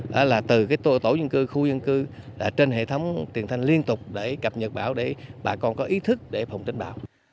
đó là từ tổ dân cư khu dân cư trên hệ thống tiền thanh liên tục để cập nhật bão để bà con có ý thức để phòng tránh bão